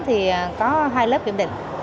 thì có hai lớp kiểm định